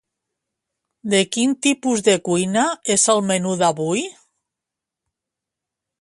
De quin tipus de cuina és el menú d'avui?